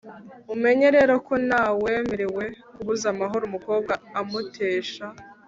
umenye rero ko ntawemerewe kubuza amahoro umukobwa amutesha